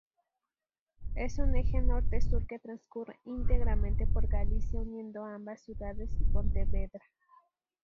Es un eje norte-sur que transcurre íntegramente por Galicia uniendo ambas ciudades y Pontevedra.